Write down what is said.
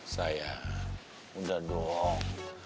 sayang udah dong